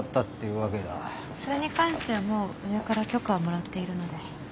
それに関してはもう上から許可はもらっているので。